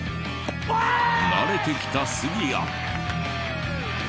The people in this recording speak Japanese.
慣れてきた杉谷。